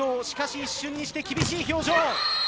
しかし、一転して厳しい表情。